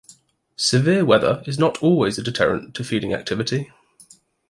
Severe weather is not always a deterrent to feeding activity.